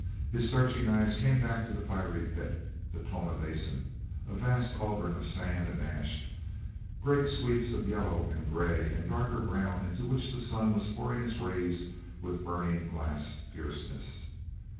His searching eyes came back to the fiery pit, the Tonah Basin, a vast cauldron of sand and ash—great sweeps of yellow and gray and darker brown into which the sun was pouring its rays with burning glass fierceness.